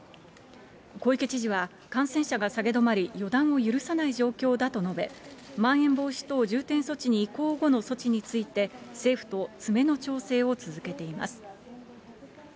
小池知事は、感染者が下げ止まり、予断を許さない状況だと述べ、まん延防止等重点措置に移行後の措置について、政府と詰めの調整を続けています。